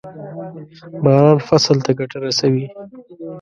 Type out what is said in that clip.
باران فصل ته ګټه رسوي.